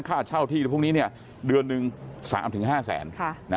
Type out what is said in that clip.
ค่าเช่าที่พวกนี้เดือนหนึ่ง๓๕แสน